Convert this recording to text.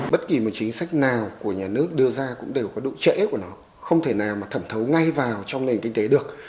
bất kỳ một chính sách nào của nhà nước đưa ra cũng đều có độ trễ của nó không thể nào mà thẩm thấu ngay vào trong nền kinh tế được